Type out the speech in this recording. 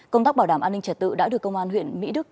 công tác bảo đảm an ninh trật tự đã được công an huyện mỹ đức